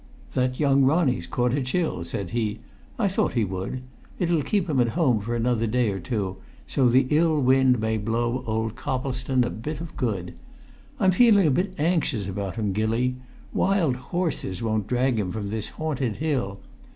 "That young Ronnie's caught a chill," said he "I thought he would. It'll keep him at home for another day or two, so the ill wind may blow old Coplestone a bit of good. I'm feeling a bit anxious about him, Gilly; wild horses won't drag him from this haunted hill!